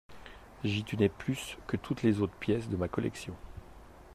J’y tenais plus que toutes les autres pièces de ma collection.